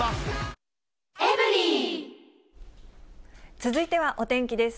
続いてはお天気です。